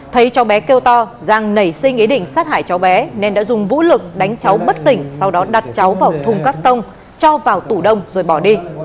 thấy cháu bé kêu to giang nảy sinh ý định sát hại cháu bé nên đã dùng vũ lực đánh cháu bất tỉnh sau đó đặt cháu vào thùng cắt tông cho vào tủ đông rồi bỏ đi